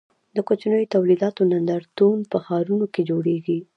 د کوچنیو تولیداتو نندارتونونه په ښارونو کې جوړیږي.